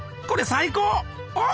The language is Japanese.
これ最高！